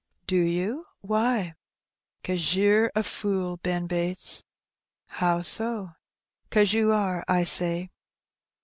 Do you? Why?" 'Cause yer a fool, Ben Bates." "How so?" '"Cause ye are, I say."